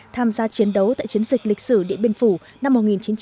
tham gia chiến đấu tại chiến dịch lịch sử điện biên phủ năm một nghìn chín trăm bảy mươi